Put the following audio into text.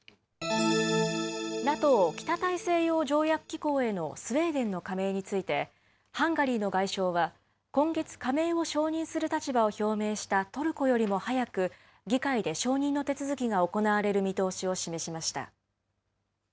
ＮＡＴＯ・北大西洋条約機構へのスウェーデンの加盟について、ハンガリーの外相は、今月加盟を承認する立場を表明したトルコよりも早く議会で承認の手続きが行われる見通しを示しました。